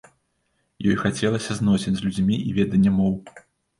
Ёй хацелася зносін з людзьмі і ведання моў.